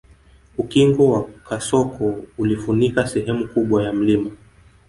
Ukingo wa kasoko ulifunika sehemu kubwa ya mlima